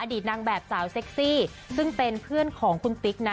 ตนางแบบสาวเซ็กซี่ซึ่งเป็นเพื่อนของคุณติ๊กนะ